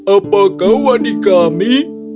apa kau adik kami